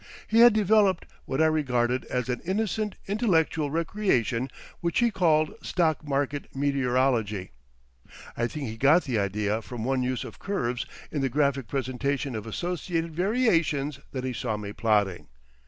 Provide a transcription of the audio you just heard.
He had developed what I regarded as an innocent intellectual recreation which he called stock market meteorology. I think he got the idea from one use of curves in the graphic presentation of associated variations that he saw me plotting.